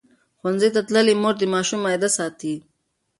ښوونځې تللې مور د ماشوم معده ساتي.